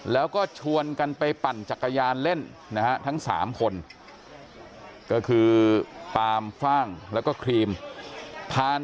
แล้วก็ชวนกันไปปั่นจักรยานเล่นนะฮะทั้งสามคน